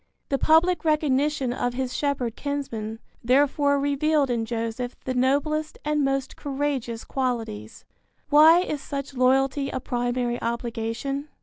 The public recognition of his shepherd kinsmen, therefore, revealed in Joseph the noblest and most courageous qualities. Why is such loyalty a primary obligation?